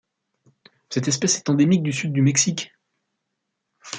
Cette espèce est endémique du sud du Mexique.